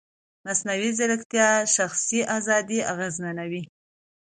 مصنوعي ځیرکتیا د شخصي ازادۍ اغېزمنوي.